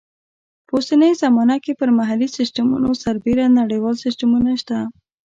په اوسنۍ زمانه کې پر محلي سیسټمونو سربیره نړیوال سیسټمونه شته.